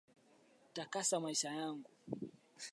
Takasa maisha yangu